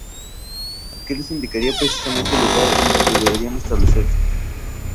Que les indicaría precisamente el lugar en donde deberían establecerse.